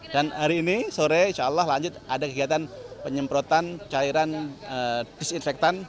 dan hari ini sore insya allah lanjut ada kegiatan penyemprotan cairan disinfektan